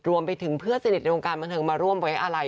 รวมไปถึงเพื่อนสนิทในวงการบันเทิงมาร่วมไว้อาลัย